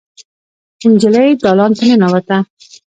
نجلۍ دالان ته ننوته.